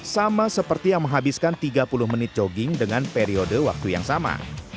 sama seperti yang menghabiskan tiga puluh menit jogging dengan periode waktu yang sama